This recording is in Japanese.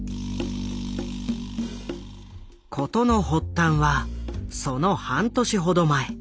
事の発端はその半年ほど前。